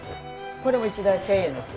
これも１台１０００円です。